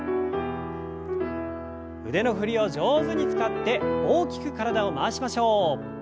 腕の振りを上手に使って大きく体を回しましょう。